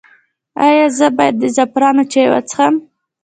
ایا زه باید د زعفران چای وڅښم؟